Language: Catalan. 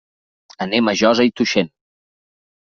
Anem a Josa i Tuixén.